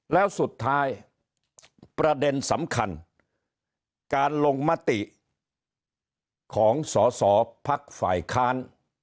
แล้วสุดท้ายประเด็นสำคัญการลงมติของสอสอพักฝ่ายค้าน